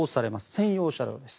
専用車両です。